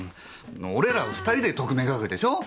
俺ら２人で特命係でしょ？